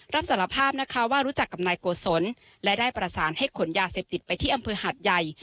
รับสารภาพนะคะว่ารู้จักกับนายโกศลและได้ประสานให้ขนยาเสพติดไปที่อำเภอหาดใหญ่